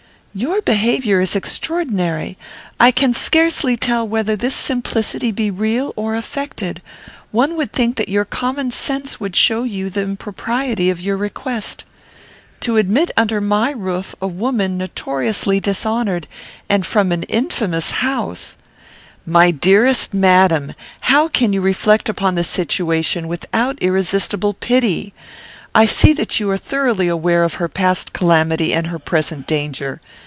"Your behaviour is extraordinary. I can scarcely tell whether this simplicity be real or affected. One would think that your common sense would show you the impropriety of your request. To admit under my roof a woman notoriously dishonoured, and from an infamous house " "My dearest madam! How can you reflect upon the situation without irresistible pity? I see that you are thoroughly aware of her past calamity and her present danger.